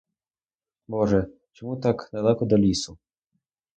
Боже, чому так далеко до лісу!